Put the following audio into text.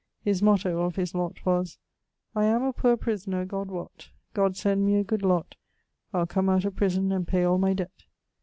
His motto (of his lott) was, 'I am a poor prisoner, God wott, God send me a good lott, I'le come out of prison, and pay all my debt.'